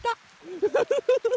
ウフフフフ！